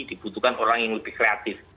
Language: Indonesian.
dibutuhkan orang yang lebih kreatif